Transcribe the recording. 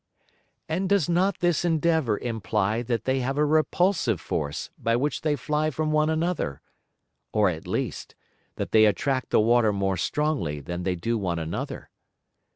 And does not this Endeavour imply that they have a repulsive Force by which they fly from one another, or at least, that they attract the Water more strongly than they do one another?